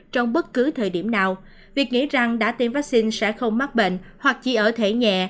trong bất cứ thời điểm nào việc nghĩ rằng đã tiêm vaccine sẽ không mắc bệnh hoặc chỉ ở thể nhẹ